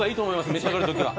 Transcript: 召し上がるときは。